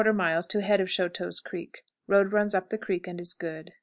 Head of Choteau's Creek. Road runs up the creek, and is good.